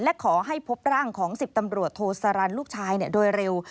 และขอให้พบร่างของ๑๐ตำรวจโทสารันลูกชายโดยเร็ว